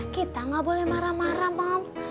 kita gak boleh marah marah bang